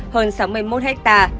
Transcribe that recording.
hơn sáu mươi một ha